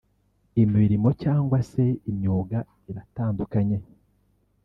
Imirimo cyangwa se imyuga iratandukanye